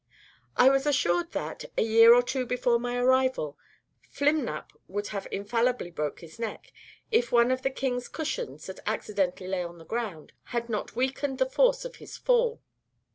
I was assured, that, a year or two before my arrival, Flimnap would have infallibly broke his neck, if one of the king's cushions, that accidentally lay on the ground, had not weakened the force of his fall.